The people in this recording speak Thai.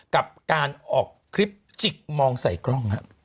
กับการออกคลิปจิกมองใส่กล้อง